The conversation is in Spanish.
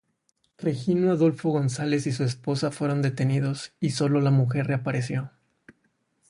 Regino Adolfo González y su esposa fueron detenidos y sólo la mujer reapareció.